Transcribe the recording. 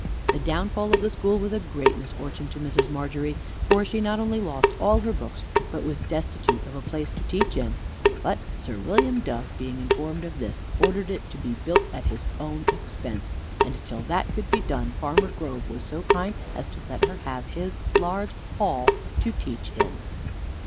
The downfall of the school was a great misfortune to Mrs. Margery; for she not only lost all her books, but was destitute of a place to teach in; but Sir William Dove, being informed of this, ordered it to be built at his own expense, and till that could be done, Farmer Grove was so kind as to let her have his large hall to teach in.